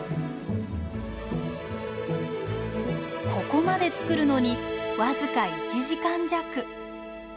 ここまで作るのに僅か１時間弱。